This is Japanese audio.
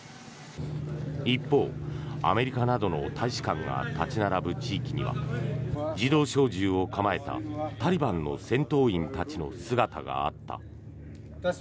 一方、アメリカなどの大使館が立ち並ぶ地域には自動小銃を構えたタリバンの戦闘員たちの姿があった。